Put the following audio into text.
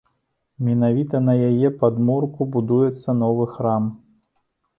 Менавіта на яе падмурку будуецца новы храм.